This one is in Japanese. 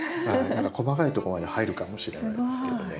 細かいとこまで入るかもしれないですけどね。